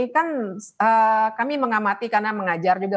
kan kami mengamati karena mengajar juga